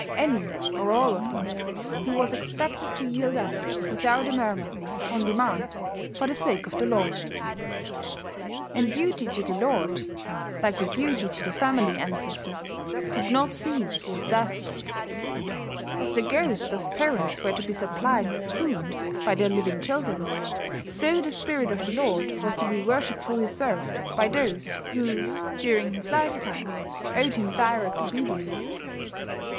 Any or all of these he was expected to yield up without a murmur, on demand, for the sake of the lord. And duty to the lord, like the duty to the family ancestor, did not cease with death. As the ghosts of parents were to be supplied with food by their living children, so the spirit of the lord was to be worshipfully served by those who, during his lifetime, owed him direct obedience.